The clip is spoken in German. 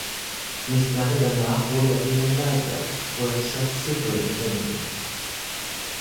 Nicht lange danach wurde er deren Leiter "(workshop superintendent)".